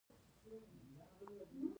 د لمر پاچا باندې مشهور و.